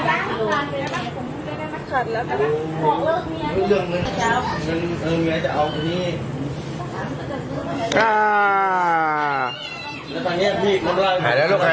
มันจะเจ็บไง